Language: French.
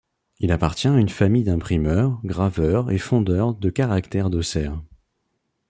Il appartient à une famille d'imprimeurs, graveurs et fondeurs de caractères d'Auxerre.